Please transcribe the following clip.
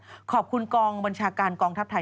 และประเทศชาติขอบคุณกองบัญชาการกองทัพไทย